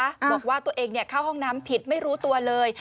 บอกว่าตัวเองเข้าห้องน้ำผิดไม่รู้ตัวเลย